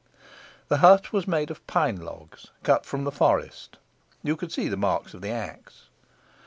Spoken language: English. The hut was made of pine logs cut from the forest. You could see the marks of the axe.